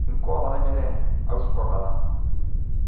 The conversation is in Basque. Trinkoa baden ere, hauskorra da.